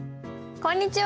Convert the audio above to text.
こんにちは。